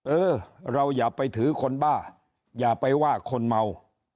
เออเราอย่าไปถือคนบ้าอย่าไปว่าคนเมา